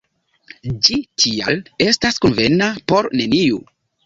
Ĝi, tial, estas konvena por neniu.